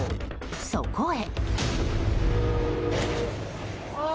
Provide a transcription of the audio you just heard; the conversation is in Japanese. そこへ。